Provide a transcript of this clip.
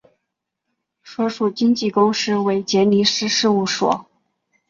所属经纪公司为杰尼斯事务所。